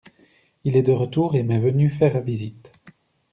Il est de retour et m'est venu faire visite.